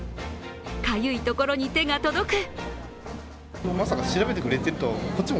かゆいところに手が届く。